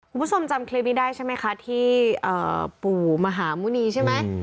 คุณผู้ชมจำคลิปนี้ได้ใช่ไหมคะที่ปู่มหาหมุณีใช่ไหม